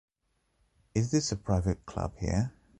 Is this a private club here?